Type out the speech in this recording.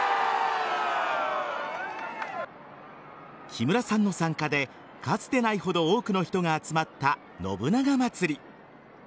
木村さんの参加でかつてないほど多くの人が集まった信長まつり。